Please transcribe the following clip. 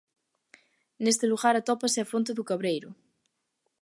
Neste lugar atópase a Fonte do Cabreiro.